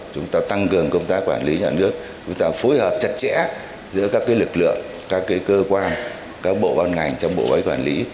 chúng ta quản lý nhà nước chúng ta phối hợp chặt chẽ giữa các lực lượng các cơ quan các bộ văn ngành trong bộ quản lý